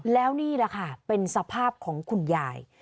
แล้วนี่แหละค่ะเป็นสภาพของคุณยาย